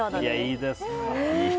いいですね。